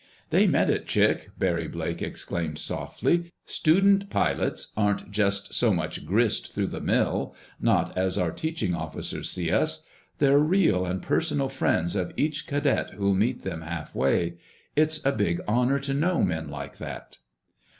"They meant it, Chick!" Barry Blake exclaimed softly. "Student pilots aren't just so much grist through the mill—not as our teaching officers see us. They're real and personal friends of each cadet who'll meet them halfway. It's a big honor to know men like that!"